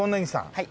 はい。